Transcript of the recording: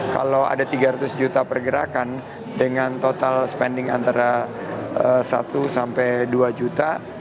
kalau ada tiga ratus juta pergerakan dengan total spending antara satu sampai dua juta